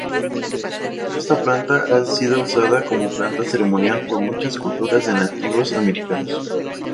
Esta planta ha sido usada como planta ceremonial por muchas culturas de Nativos Americanos.